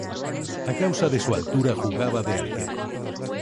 A causa de su altura jugaba de arquero.